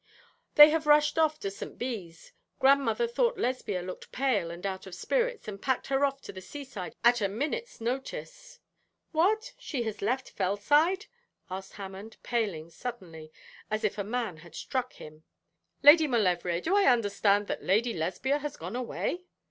'They have rushed off to St. Bees. Grandmother thought Lesbia looking pale and out of spirits, and packed her off to the seaside at a minute's notice.' 'What! She has left Fellside?' asked Hammond, paling suddenly, as if a man had struck him. 'Lady Maulevrier, do I understand that Lady Lesbia has gone away?'